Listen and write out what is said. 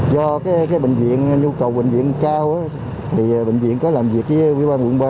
do bệnh viện nhu cầu bệnh viện cao thì bệnh viện có làm việc với quỹ ban quận ba